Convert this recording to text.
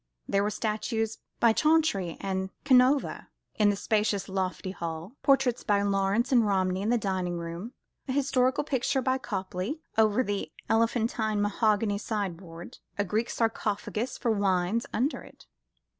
There were statues by Chantrey and Canova in the spacious lofty hall; portraits by Lawrence and Romney in the dining room; a historical picture by Copley over the elephantine mahogany sideboard; a Greek sarcophagus for wines under it.